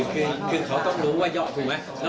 คือเขาต้องรู้ว่าเยอะถูกไหม